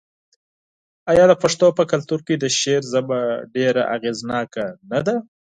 آیا د پښتنو په کلتور کې د شعر ژبه ډیره اغیزناکه نه ده؟